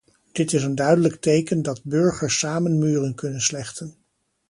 Dit is een duidelijk teken dat burgers samen muren kunnen slechten.